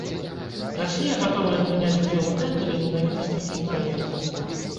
Расія гатовая прыняць удзел у тэндэры менавіта з такім праектам.